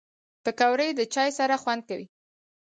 پکورې د چای سره خوند کوي